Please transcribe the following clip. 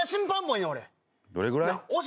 どれぐらい？